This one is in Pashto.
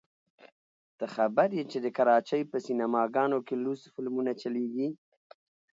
ته خبر يې چې د کراچۍ په سينما ګانو کښې لوڅ فلمونه چلېږي.